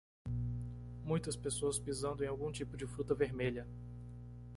Muitas pessoas pisando em algum tipo de fruta vermelha.